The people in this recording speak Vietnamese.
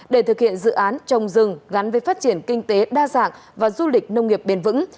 để thực hiện dự án trồng rừng gắn với phát triển kinh tế đa dạng và du lịch nông nghiệp bền vững